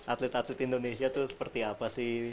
atlet atlet indonesia itu seperti apa sih